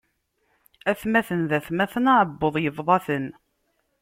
Atmaten d atmaten, aɛebbuḍ ibḍa-ten.